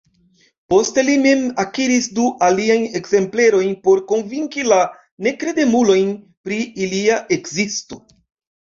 Poste li mem akiris du aliajn ekzemplerojn por konvinki la nekredemulojn pri ilia ekzisto.